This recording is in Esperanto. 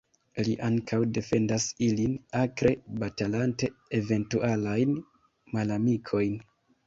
Li ankaŭ defendas ilin, akre batalante eventualajn malamikojn.